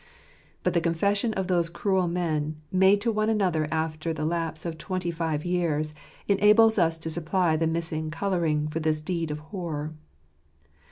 But the confession of those cruel men, made to one another after the lapse of twenty five years, enables us to supply the missing colour ing for this deed of horror.